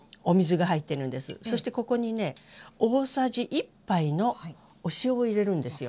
そしてここにね大さじ１杯のお塩を入れるんですよ。